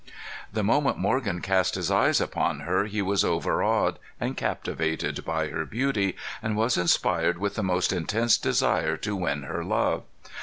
The moment Morgan cast his eyes upon her he was overawed and captivated by her beauty, and was inspired with the most intense desire to win her love.